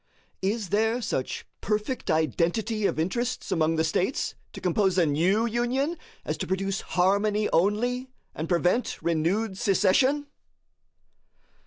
Is there such perfect identity of interests among the States to compose a new Union, as to produce harmony only, and prevent renewed secession?